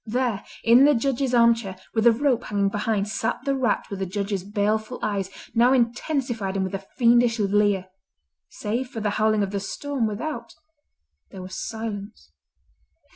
There, in the Judge's arm chair, with the rope hanging behind, sat the rat with the Judge's baleful eyes, now intensified and with a fiendish leer. Save for the howling of the storm without there was silence.